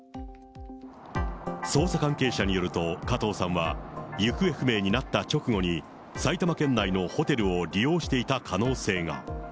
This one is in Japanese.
捜査関係者によると、加藤さんは、行方不明になった直後に、埼玉県内のホテルを利用していた可能性が。